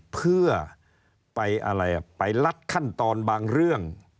เพื่อไปลัดขั้นตอนบางเรื่อง